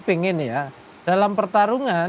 pingin ya dalam pertarungan